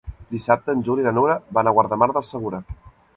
Dissabte en Juli i na Nura van a Guardamar del Segura.